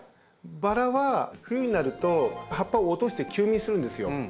バラは冬になると葉っぱを落として休眠するんですよ。